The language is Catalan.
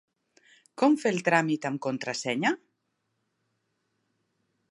Com fer el tràmit amb contrasenya?